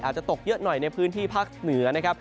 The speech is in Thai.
อาจจะตกเยอะหน่อยในพื้นที่ภาคเหนือนะครับ